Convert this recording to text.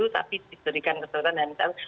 tapi diberikan kesempatan dan kita tahu